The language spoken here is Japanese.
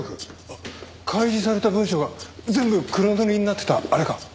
あっ開示された文書が全部黒塗りになってたあれか？